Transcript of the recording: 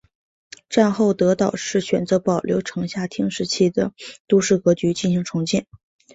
战后德岛市选择保留城下町时期的都市格局进行重建。